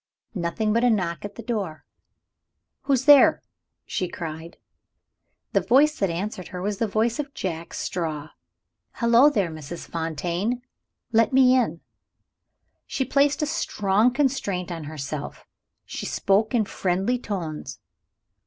Nothing but a knock at the door. "Who's there?" she cried. The voice that answered her was the voice of Jack Straw. "Hullo, there, Mrs. Fontaine! Let me in." She placed a strong constraint on herself; she spoke in friendly tones.